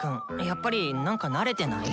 やっぱりなんか慣れてない？